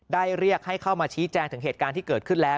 เรียกให้เข้ามาชี้แจงถึงเหตุการณ์ที่เกิดขึ้นแล้ว